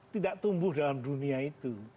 tidak tumbuh dalam dunia itu